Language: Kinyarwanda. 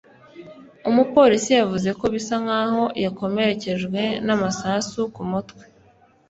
Umupolisi yavuze ko bisa nkaho yakomerekejwe namasasu ku mutwe